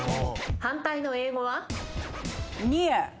反対の英語は？